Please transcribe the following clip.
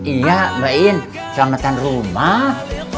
iya mbak in selamatan rumah